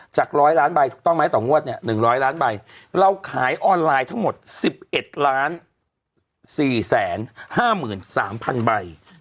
๑๐๐ล้านใบถูกต้องไหมต่องวดเนี่ย๑๐๐ล้านใบเราขายออนไลน์ทั้งหมด๑๑๔๕๓๐๐๐ใบ